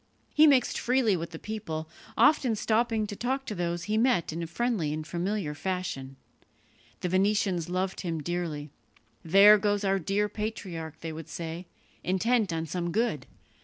He mixed freely with the people, often stopping to talk to those he met in friendly and familiar fashion. The Venetians loved him dearly. "There goes our dear patriarch," they would say, "intent on some good.